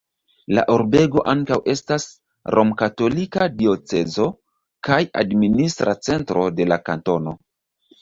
La urbego ankaŭ estas romkatolika diocezo kaj administra centro de la kantono.